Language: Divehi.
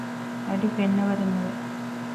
އަޑި ފެންނަވަރެއް ނުވެ